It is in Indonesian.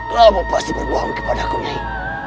labo pasti berbohong kepada aku nyai